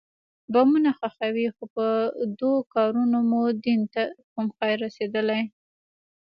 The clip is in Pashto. بمونه ښخوئ خو په دو کارونو مو دين ته کوم خير رسېدلى.